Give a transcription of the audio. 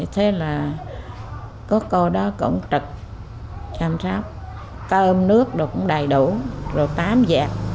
thế là có cô đó cũng trực chăm sóc cơm nước cũng đầy đủ rồi tám dẹp